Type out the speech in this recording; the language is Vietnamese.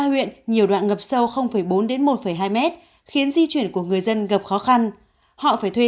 huyện nhiều đoạn ngập sâu bốn một hai mét khiến di chuyển của người dân gặp khó khăn họ phải thuê